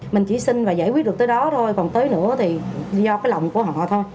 mình chỉ sinh và giải quyết được tới đó thôi còn tới nữa thì do cái lòng của họ thôi